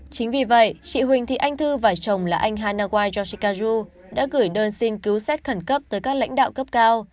chính vì vậy chị huỳnh thị anh thư và chồng là anh hanawa yoshikazu đã gửi đơn xin cứu sát khẩn cấp tới các lãnh đạo cấp cao